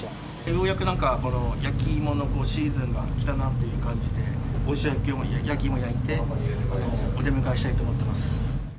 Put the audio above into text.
ようやくなんか、この焼き芋のシーズンが来たなっていう感じで、おいしい焼き芋焼いて、お出迎えしたいと思ってます。